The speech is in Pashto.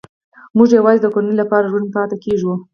موږ یوازې د کورنۍ لپاره ژوندي پاتې کېږو